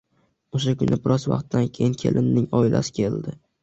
O`sha kuni biroz vaqtdan keyin kelinning oilasi keldi